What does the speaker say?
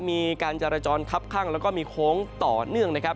มีการจรจรคับข้างแล้วก็มีโค้งต่อเนื่องนะครับ